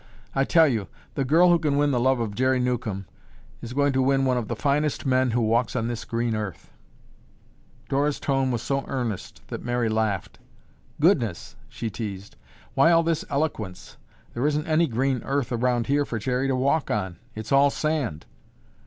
I tell you, the girl who can win the love of Jerry Newcomb is going to win one of the finest men who walks on this green earth." Dora's tone was so earnest that Mary laughed. "Goodness!" she teased. "Why all this eloquence? There isn't any green earth around here for Jerry to walk on. It's all sand."